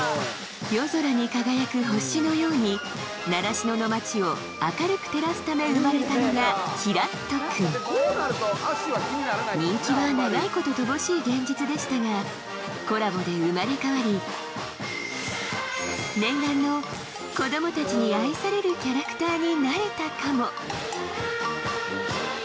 夜空に輝く星のように習志野の町を明るく照らすため生まれたのがきらっと君人気は長いこと乏しい現実でしたがコラボで生まれ変わり念願の子どもたちに愛されるキャラクターになれたかも